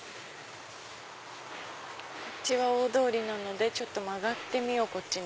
こっちは大通りなので曲がってみようこっちに。